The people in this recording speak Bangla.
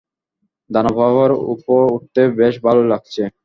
দানব হওয়ার পর উড়তে বেশ ভালোই লাগছে।